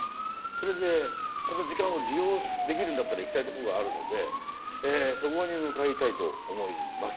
それでこの時間を利用できるんだったら行きたいとこがあるのでそこに向かいたいと思います。